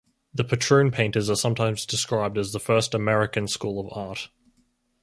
The patroon painters are sometimes described as the first American school of art.